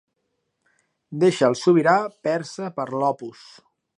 Deixa el sobirà persa per l'Opus.